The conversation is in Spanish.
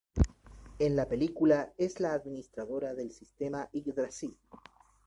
En la película es la administradora de sistema Yggdrasil.